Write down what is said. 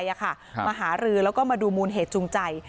อะค่ะมาหาลือแล้วก็มาดูหมุนเหตุจูงใจ